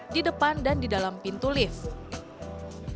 di depan dan di dalam pintu lift